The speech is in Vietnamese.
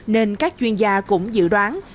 nên các chuyên gia cũng dự đoán